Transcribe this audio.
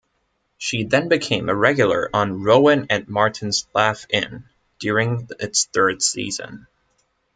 She then became a regular on "Rowan and Martin's Laugh-In" during its third season.